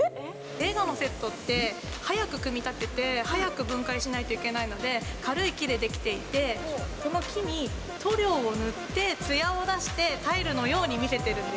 映画のセットって、早く組み立てて、早く分解しないといけないので、軽い木で出来ていて、この木に塗料を塗って、つやを出して、へー！